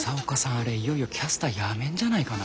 あれいよいよキャスター辞めんじゃないかな？